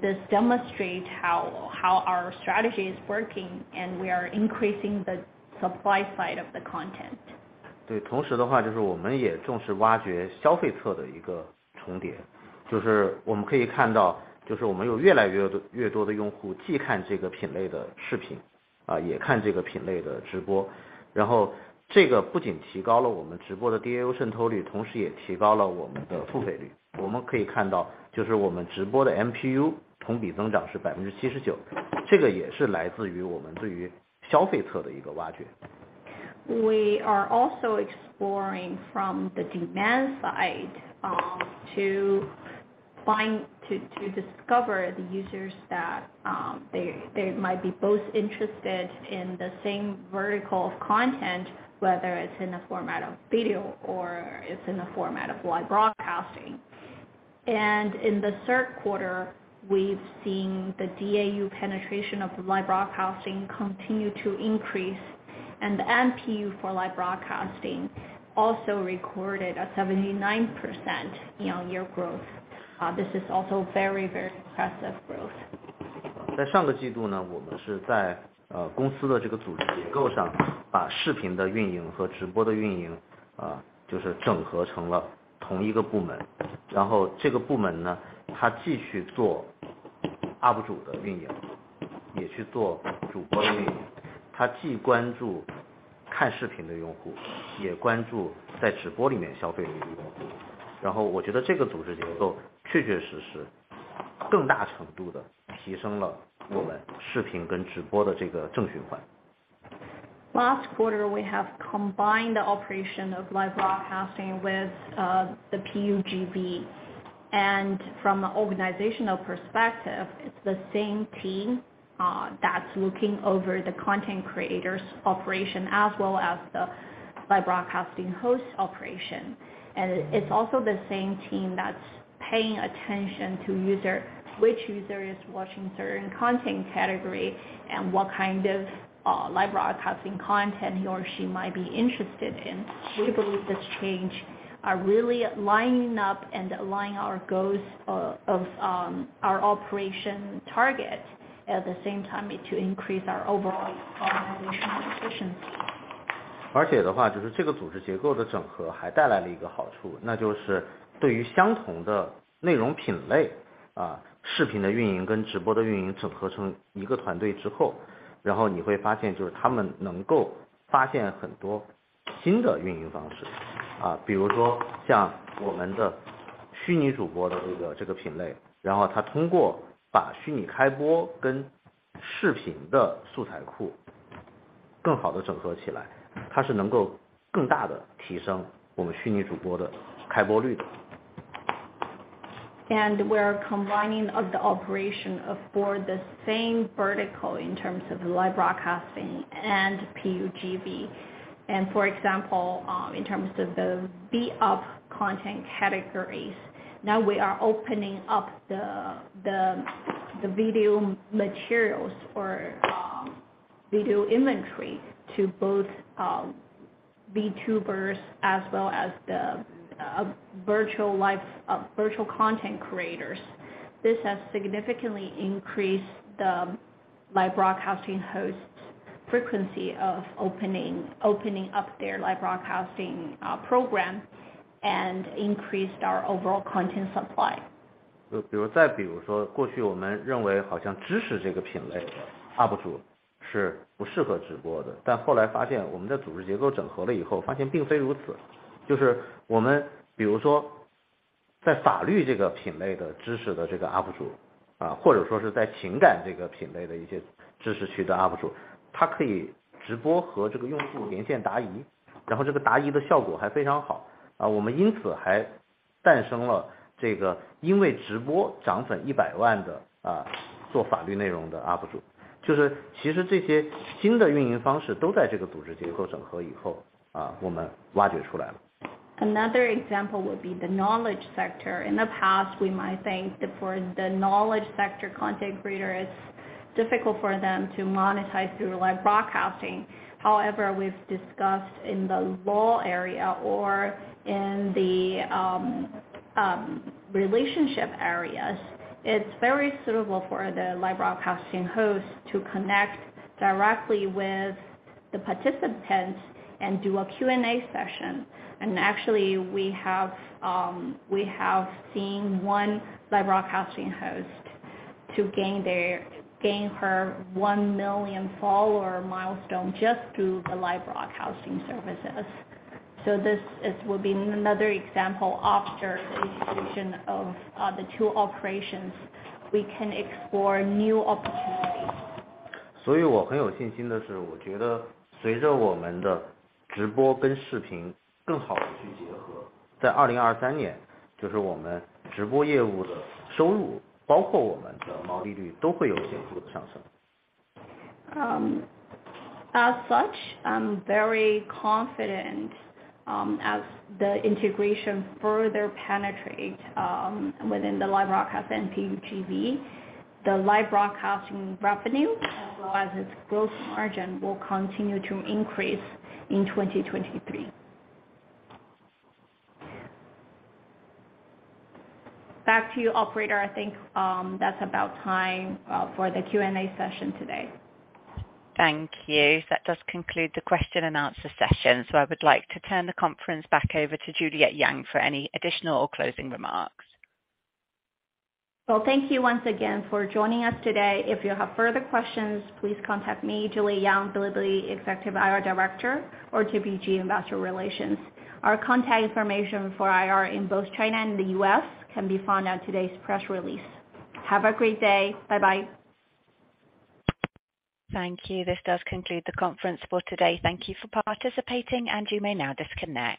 This demonstrate how our strategy is working, and we are increasing the supply side of the content. 对， 同时的 话， 就是我们也重视挖掘消费侧的一个重叠。就是我们可以看 到， 就是我们有越来越多 的， 越多的用 户， 既看这个品类的视 频， 啊， 也看这个品类的直 播， 然后这个不仅提高了我们直播的 DAU 渗透 率， 同时也提高了我们的付费率。我们可以看 到， 就是我们直播的 MPU 同比增长是百分之七十 九， 这个也是来自于我们对于消费侧的一个挖掘。We are also exploring from the demand side, to discover the users that, they might be both interested in the same vertical of content, whether it's in the format of video or it's in the format of live broadcasting. In the Q3, we've seen the DAU penetration of the live broadcasting continue to increase. The MPU for live broadcasting also recorded a 79% year-on-year growth. This is also very impressive growth. 在上个季度 呢, 我们是 在, 公司的这个组织结构 上, 把视频的运营和直播的运 营, 就是整合成了同一个部 门. 这个部门 呢, 它继续做 up主 的运 营, 也去做主播的运 营. 它既关注看视频的用 户, 也关注在直播里面消费的用 户. 我觉得这个组织结构确确实实更大程度地提升了我们视频跟直播的这个正循 环. Last quarter, we have combined the operation of live broadcasting with the PUGV. From the organizational perspective, it's the same team that's looking over the content creators operation as well as the live broadcasting host operation. It's also the same team that's paying attention to user, which user is watching certain content category and what kind of live broadcasting content he or she might be interested in. We believe this change are really lining up and align our goals of, our operation target, at the same time be to increase our overall organizational efficiency. 就是这个组织结构的整合还带来了一个好 处， 那就是对于相同的内容品 类， 视频的运营跟直播的运营整合成一个团队之 后， 然后你会发现就是他们能够发现很多新的运营方 式， 比如说像我们的 VTubers 的这 个， 这个品 类， 然后它通过把虚拟开播跟视频的素材库更好地整合起 来， 它是能够更大地提升我们 VTubers 的开播率 的. We're combining of the operation of for the same vertical in terms of live broadcasting and PUGV. For example, in terms of the UP content categories, now we are opening up the video materials or video inventory to both VTubers as well as the virtual content creators. This has significantly increased the live broadcasting host frequency of opening up their live broadcasting program and increased our overall content supply. Another example would be the knowledge sector. In the past, we might think that for the knowledge sector content creator, it's difficult for them to monetize through live broadcasting. However, we've discussed in the law area or in the relationship areas, it's very suitable for the live broadcasting host to connect directly with the participants and do a Q&A session. Actually, we have seen one live broadcasting host to gain her 1,000,0000 follower milestone just through the live broadcasting services. This will be another example after the integration of the two operations, we can explore new opportunities. As such, I'm very confident, as the integration further penetrate within the live broadcast and PUGV. The live broadcasting revenue as well as its gross margin will continue to increase in 2023. Back to you, operator. I think that's about time for the Q&A session today. Thank you. That does conclude the question and answer session. I would like to turn the conference back over to Juliet Yang for any additional or closing remarks. Thank you once again for joining us today. If you have further questions, please contact me, Juliet Yang, Bilibili Executive IR Director or Bilibili Investor Relations. Our contact information for IR in both China and the U.S. can be found on today's press release. Have a great day. Bye-bye. Thank you. This does conclude the conference for today. Thank you for participating. You may now disconnect.